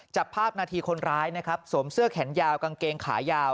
จับภาพนาทีคนร้ายนะครับสวมเสื้อแขนยาวกางเกงขายาว